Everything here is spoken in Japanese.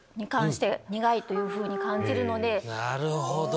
なるほど。